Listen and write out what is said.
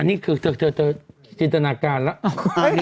นี่คือเธอจินตนาการแล้ว